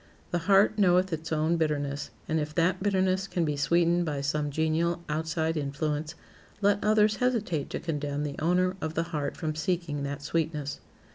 The heart knoweth its own bitterness, and if that bitterness can be sweetened by some genial outside influence, let others hesitate to condemn the owner of the heart from seeking that sweetness.